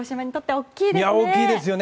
大きいですよね。